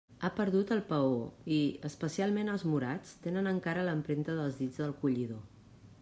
Ha perdut el paó, i, especialment els morats, tenen encara l'empremta dels dits del collidor.